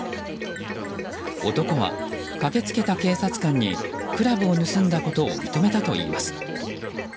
男は、駆け付けた警察官にクラブを盗んだことを認めたといいます。